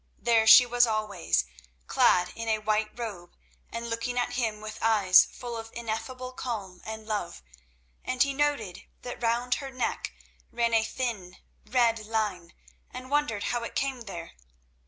There she was always, clad in a white robe, and looking at him with eyes full of ineffable calm and love, and he noted that round her neck ran a thin, red line, and wondered how it came there.